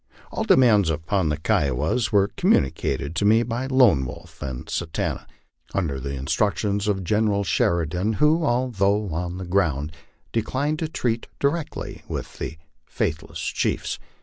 All demands upon the Kiowas were communicated by me to Lone Wolf and Satanta, under the instructions of General Sheridan, who, although on the ground, declined to treat directly with the faithless chiefs.